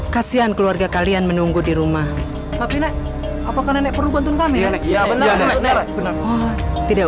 kasihan keluarga kalian menunggu di rumah tapi nek apakah nek perlu bantu kami ya benar tidak